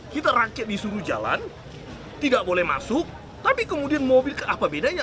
kita rangkit disuruh jalan tidak boleh masuk tapi kemudian mobil apa bedanya